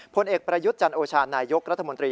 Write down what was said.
ผลเอกประยุทธ์จันโอชานายกรัฐมนตรี